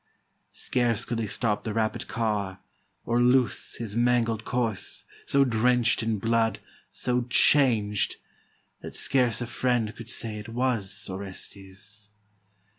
Scarce could they stop the rapid car, or loose His mangled corse, so drench'd in blood, so changed. That scarce a friend could say it was Orestes.